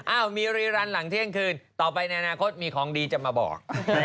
มีรีรันหลังเที่ยงคืนต่อไปในอนาคตมีของดีจะมาบอก